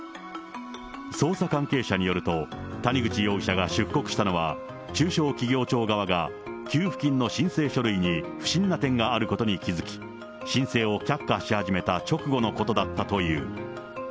捜査関係者によると、谷口容疑者が出国したのは、中小企業庁側が給付金の申請書類に不審な点があることに気付き、申請を却下し始めた直後のことだったという。